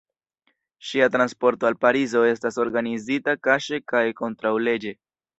Ŝia transporto al Parizo estas organizita kaŝe kaj kontraŭleĝe.